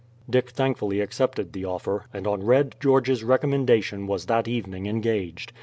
Dick thankfully accepted the offer, and on Red George's recommendation was that evening engaged.